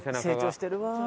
成長してるわ！